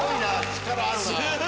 力あるな！